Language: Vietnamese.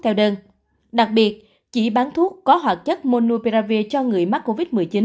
theo đơn đặc biệt chỉ bán thuốc có hoạt chất monubravi cho người mắc covid một mươi chín